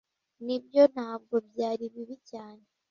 Nibyo, ntabwo byari bibi cyane.